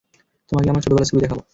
তোমাকে আমার ছোটবেলার ছবি দেখাবো।